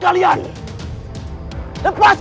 dobongi satu marsen bot emptiness